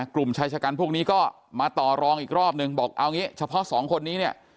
กลุ่มชายชะกันพวกนี้ก็มาต่อรองอีกรอบนึงบอกเอางี้เฉพาะสองคนนี้เนี่ย